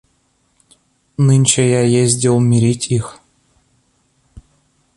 Нынче я ездил мирить их.